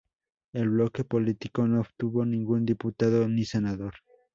El bloque político no obtuvo ningún diputado ni senador.